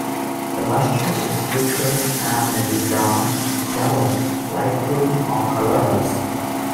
The luster is vitreous and may be brown, yellow, light green or colorless.